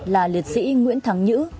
là liệt sĩ nguyễn thắng nhữ